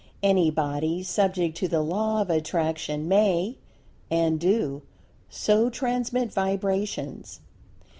Any bodies subject to the Law of Attraction may and do, so transmit Vibrations.